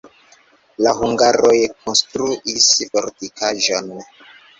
La hungaroj konstruis fortikaĵon.